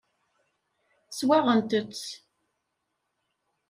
Swaɣent-t.